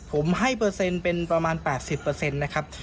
ผมให้เปอร์เซ็นต์เป็นประมาณ๘๐นะครับ